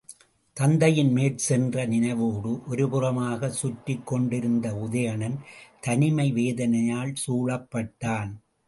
தத்தையின் மேற்சென்ற நினைவோடு, ஒரு புறமாகச் சுற்றிக் கொண்டிருந்த உதயணன் தனிமை வேதனையால் சூழப்பட்டான்.